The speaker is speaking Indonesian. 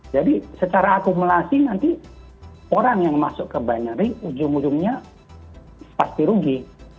jadi secara akumulasi nanti orang yang masuk ke binary ujung ujungnya pasti rugi